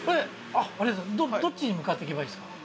どっちに向かっていけばいいですか？